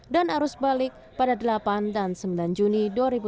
dan arus balik pada delapan dan sembilan juni dua ribu sembilan belas